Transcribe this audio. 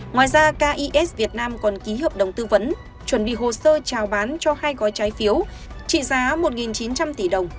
ngoài ra kis việt nam còn ký hợp đồng tư vấn chuẩn bị hồ sơ trào bán cho hai gói trái phiếu trị giá một chín trăm linh tỷ đồng